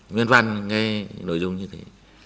nguyên văn nghe nội dung như thế